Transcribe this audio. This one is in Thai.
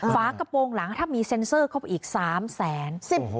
ฝากระโปรงหลังถ้ามีเซ็นเซอร์เข้าไปอีก๓แสน